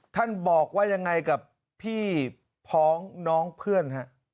ท่านบอกว่ายังไงกับพี่พ้องน้องเพื่อน